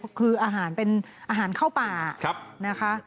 คืออาหารเป็นอาหารเข้าป่านะคะ